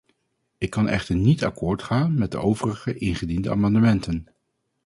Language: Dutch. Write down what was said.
Ik kan echter niet akkoord gaan met de overige ingediende amendementen.